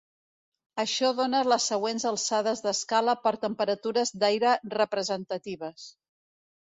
Això dóna les següents alçades d'escala per temperatures d'aire representatives.